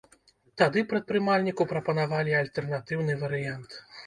Тады прадпрымальніку прапанавалі альтэрнатыўны варыянт.